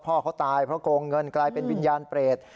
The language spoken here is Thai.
พ่อเขาตายเพราะโกงเงินกลายเป็นวิญญาณเปรต